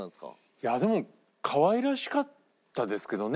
いやでもかわいらしかったですけどね。